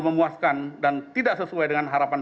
memuaskan dan tidak sesuai dengan harapan